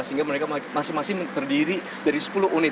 sehingga mereka masing masing terdiri dari sepuluh unit